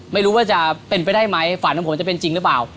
ไม่รู้ว่าจะเป็นไปได้ไหมฝันของผมจะเป็นจริงหรือเปล่า